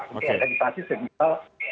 jadi organisasi sebagai